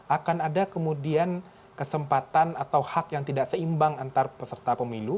akan ada kemudian kesempatan atau hak yang tidak seimbang antar peserta pemilu